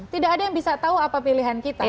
tidak ada yang bisa tahu apa pilihan kita